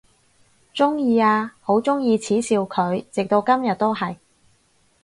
鍾意啊，好鍾意恥笑佢，直到今日都係！